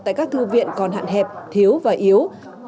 tại các thư viện còn hạn hẹp thiếu và yếu